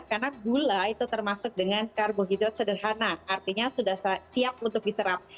karena gula itu termasuk dengan karbohidrat sederhana artinya sudah siap untuk diserap